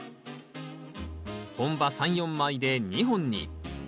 本葉３４枚で２本に。